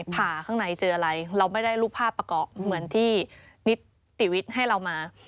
ผ่าข้างในเจออะไรเราไม่ได้รูปภาพประกอบเหมือนที่นิติวิทย์ให้เรามา